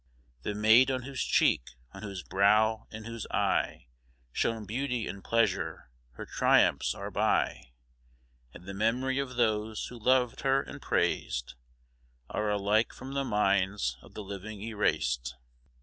[The maid on whose cheek, on whose brow, in whose eye, Shone beauty and pleasure, her triumphs are by; And the memory of those who loved her and praised, Are alike from the minds of the living erased.